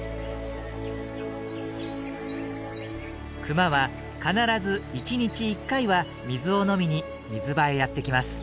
クマは必ず１日１回は水を飲みに水場へやってきます。